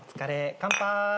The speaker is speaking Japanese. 乾杯。